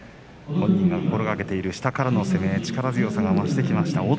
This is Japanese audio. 本人が心がけている下からの攻め力強さが出てきました。